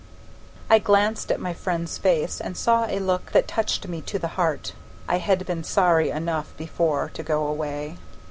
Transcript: I glanced at my friend's face, and saw a look that touched me to the heart. I had been sorry enough before to go away.